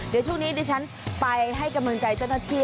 เดี๋ยวช่วงนี้ดิฉันไปให้กำลังใจเจ้าหน้าที่